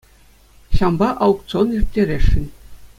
Ҫавӑнпа аукцион ирттересшӗн.